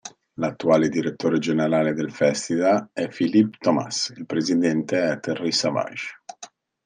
L'attuale direttore generale del Festival è Philip Thomas, il presidente è Terry Savage.